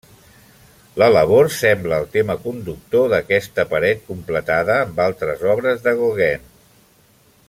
La labor sembla el tema conductor d'aquesta paret completada amb altres obres de Gauguin.